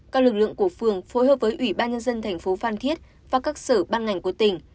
các lực lượng của phường phối hợp với ủy ban nhân dân thành phố phan thiết và các sở ban ngành của tỉnh